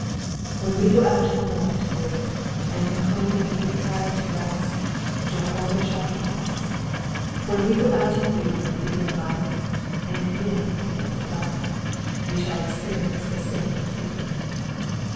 '*^ When we go out in the morning to labour^ and come home at eventide to rest, Jehovah shall keep us. When we ga out in youth to begin life, and come in at the end to die, we shall experience the same keeping.